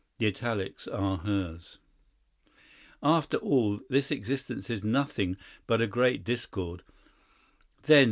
(The italics are hers.) "After all, this existence is nothing but a great discord."